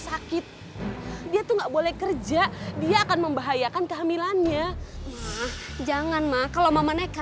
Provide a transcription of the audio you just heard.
sekarang saat kita miskin mama juga gak bahagia